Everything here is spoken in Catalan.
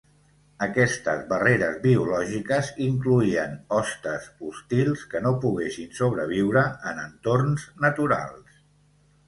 Aquestes barreres biològiques incloïen hostes hostils que no poguessin sobreviure en entorns naturals.